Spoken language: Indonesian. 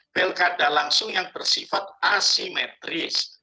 pilkada langsung yang bersifat asimetris